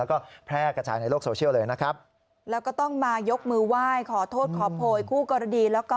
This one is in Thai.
แล้วก็แพร่กระจายในโลกโซเชียลเลยนะครับแล้วก็ต้องมายกมือไหว้ขอโทษขอโพยคู่กรณีแล้วก็